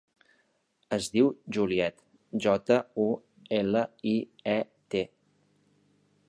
Es diu Juliet: jota, u, ela, i, e, te.